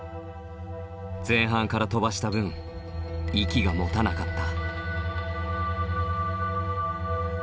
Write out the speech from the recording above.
前半から飛ばした分息がもたなかった。